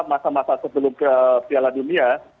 masa masa sebelum ke piala dunia